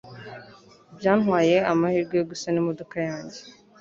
Byantwaye amahirwe yo gusana imodoka yanjye.